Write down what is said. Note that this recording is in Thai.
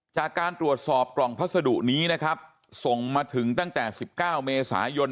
จากการตรวจสอบกล่องพัสดุนี้นะครับส่งมาถึงตั้งแต่๑๙เมษายน